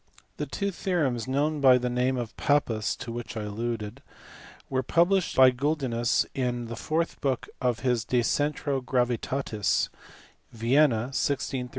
The two theorems known by the name of Pappus (to which I alluded on p. 101) were published by Guldinus in the fourth book of his De Centra Gravitatis, Vienna, 1635 1642.